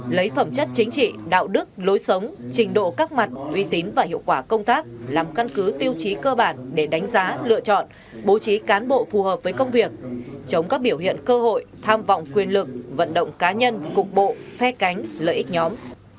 lấy phẩm chất chính trị đạo đức lối sống trình độ các mặt uy tín và hiệu quả công tác làm căn cứ tiêu chí cơ bản để đánh giá lựa chọn bố trí cán bộ phù hợp với công việc chống các biểu hiện cơ hội tham vọng quyền lực vận động cá nhân cục bộ phe cánh lợi ích nhóm